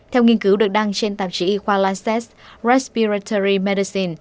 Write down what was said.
theo nghiên cứu được đăng trên tạp chí khoa lancet respiratory medicine